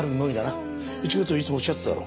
一課長いつもおっしゃってただろ。